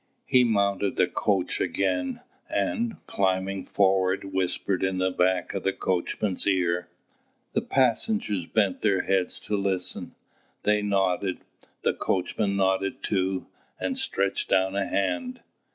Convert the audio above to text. He mounted the coach again, and, climbing forward whispered in the back of the coachman's ear. The passengers bent their heads to listen. They nodded; the coachman nodded too, and stretched down a hand.